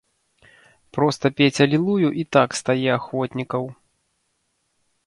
Проста пець алілую і так стае ахвотнікаў.